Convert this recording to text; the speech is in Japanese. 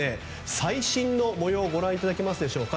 最新の模様をご覧いただけますでしょうか。